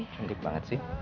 cantik banget sih